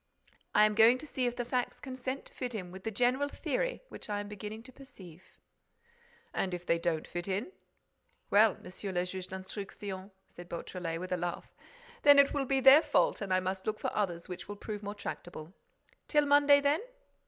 "I am going to see if the facts consent to fit in with the general theory which I am beginning to perceive." "And if they don't fit in?" "Well, Monsieur le Juge d'Instruction," said Beautrelet, with a laugh, "then it will be their fault and I must look for others which, will prove more tractable. Till Monday, then?"